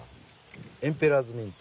エンペラーズミント。